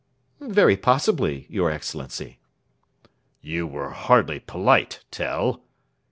"Very possibly, your Excellency." "You were hardly polite, Tell."